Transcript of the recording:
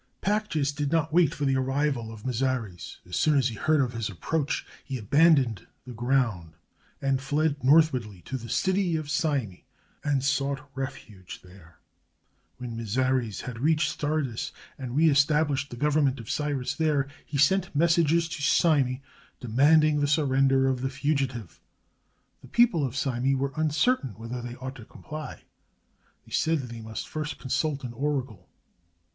Pactyas did not wait for the arrival of Mazares. As soon as he heard of his approach, he abandoned the ground, and fled northwardly to the city of Cyme, and sought refuge there. When Mazares had reached Sardis and reestablished the government of Cyrus there, he sent messengers to Cyme, demanding the surrender of the fugitive. The people of Cyme were uncertain whether they ought to comply. They said that they must first consult 521 MESOPOTAMIA an oracle.